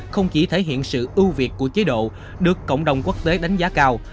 không chỉ thể hiện sự ưu việt của chế độ được cộng đồng quốc tế đánh giá cao